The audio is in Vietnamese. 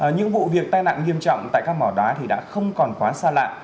những vụ việc tai nạn nghiêm trọng tại các mỏ đá thì đã không còn quá xa lạ